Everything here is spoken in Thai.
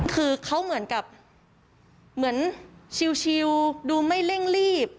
คือเขาเหมือนกับเหมือนชิลดูไม่เร่งรีบ